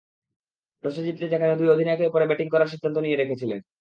টসে জিতলে যেখানে দুই অধিনায়কই পরে ব্যাটিং করার সিদ্ধান্ত নিয়ে রেখেছিলেন।